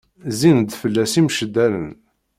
Zzin-d fell-as imceddalen.